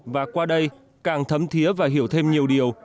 và qua đây càng thấm thiế và hiểu thêm nhiều điều